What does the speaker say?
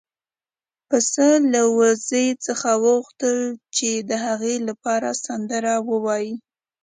پسه له وزې څخه وغوښتل چې د هغه لپاره سندره ووايي.